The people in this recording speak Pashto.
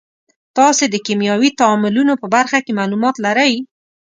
تاسې د کیمیاوي تعاملونو په برخه کې معلومات لرئ.